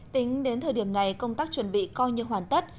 tính đến thời điểm này công tác chuẩn bị coi như hoàn tất